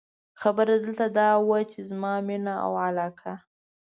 خبره دلته دا وه، چې زما مینه او علاقه.